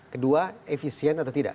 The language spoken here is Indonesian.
kedua efisien atau tidak